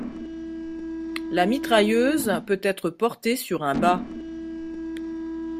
La mitrailleuse peut être portée sur un bat.